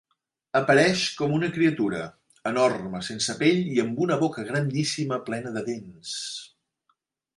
Apareix com una criatura enorme, sense pell i amb una boca grandíssima plena de dents.